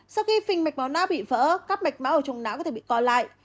sau khi phình mạch máu não bị vỡ các mạch máu ở trùng não có thể bị co lại